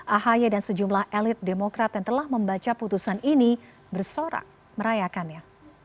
ahy dan sejumlah elit demokrat yang telah membaca putusan ini bersorak merayakannya